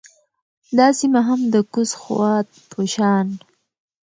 دا سیمه هم د کوز خوات په شان